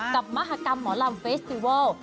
มหากรรมหมอลำเฟสติเวิล